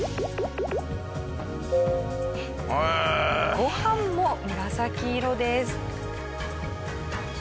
ご飯も紫色です。